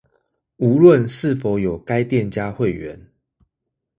無論是否有該店家會員